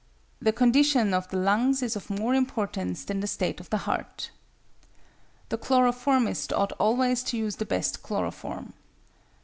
The condition of the lungs is of more importance than the state of the heart. The chloroformist ought always to use the best chloroform.